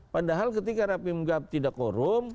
padahal ketika rapim gap tidak korum